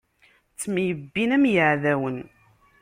Ttemyebbin am iɛdawen.